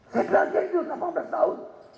saya belajar hidup delapan belas tahun